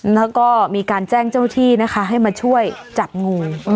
แล้วก็มีการแจ้งเจ้าที่นะคะให้มาช่วยจับงู